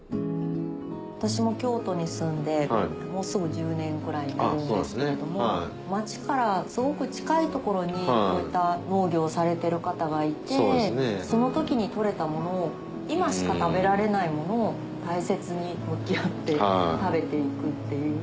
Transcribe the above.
私も京都に住んでもうすぐ１０年ぐらいになるんですけれども街からすごく近い所に農業されてる方がいてその時に採れたものを今しか食べられないものを大切に向き合って食べて行くっていう。